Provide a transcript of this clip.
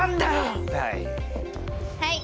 はい。